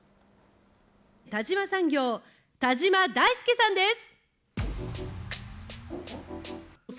田島産業、田島大輔さんです。